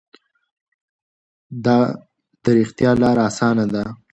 ده د رښتيا لاره اسانه کړه.